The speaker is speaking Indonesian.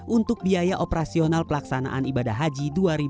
untuk biaya operasional pelaksanaan ibadah haji dua ribu dua puluh